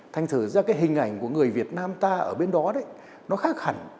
thành thử ra cái hình ảnh của người việt nam ta ở bên đó đấy nó khác hẳn